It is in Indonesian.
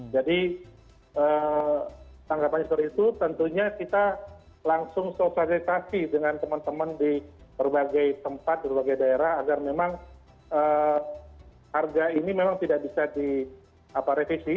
jadi tanggapan saya itu tentunya kita langsung sosialisasi dengan teman teman di berbagai tempat berbagai daerah agar memang harga ini memang tidak bisa direvisi